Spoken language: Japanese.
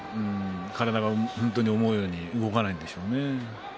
体が思うように動かないでしょうね。